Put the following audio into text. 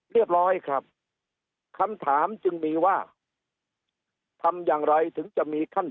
เรียบร้อยครับคำถามจึงมีว่าทำอย่างไรถึงจะมีขั้น